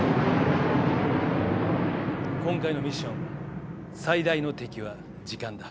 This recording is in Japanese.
今回のミッション最大の敵は時間だ。